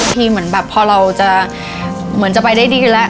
ทีมันแบบพอเราจะมันจะไปได้ดีแล้ว